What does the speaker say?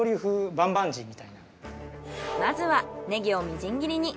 まずはネギをみじん切りに。